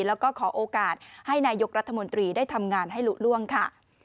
แล้วก็ขอโอกาสให้นายกรัฐมนตรีได้ทำงานให้หลุล่วงค่ะ